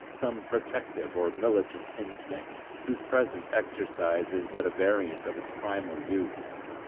Some protective or militant instinct whose present exercise is but a variant of its primal use.